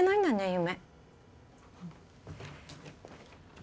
夢